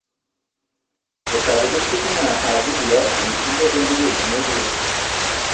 Bǝtada bə tsig naa a adzib ya abui. Ndɔ hm bə ligi ai nye we.